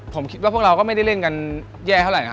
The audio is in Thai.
ผมคิดว่าพวกเราก็ไม่ได้เล่นกันแย่เท่าไหร่